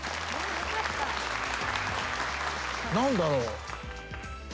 何だろう？